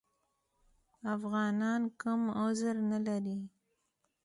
افغانان کوم عذر نه لري.